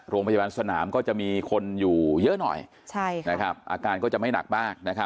โรงพยาบาลสนามก็จะมีคนอยู่เยอะหน่อยอาการก็จะไม่หนักมาก